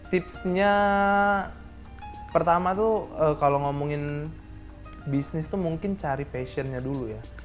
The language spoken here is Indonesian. tipsnya pertama tuh kalau ngomongin bisnis tuh mungkin cari passionnya dulu ya